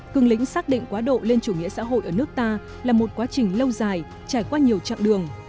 cường lĩnh xác định quá độ lên chủ nghĩa xã hội ở nước ta là một quá trình lâu dài trải qua nhiều chặng đường